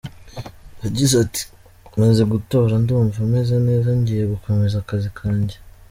Yagize ati “Maze gutora ndumva meze neza ngiye gukomeza akazi kanjye.